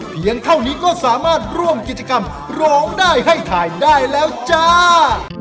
เพียงเท่านี้ก็สามารถร่วมกิจกรรมร้องได้ให้ถ่ายได้แล้วจ้า